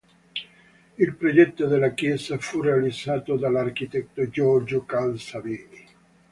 Il progetto della chiesa fu realizzato dall'architetto Giorgio Calza Bini.